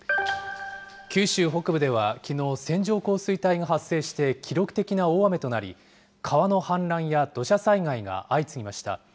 九州北部ではきのう、線状降水帯が発生して、記録的な大雨となり、川の氾濫や土砂災害が相次ぎました。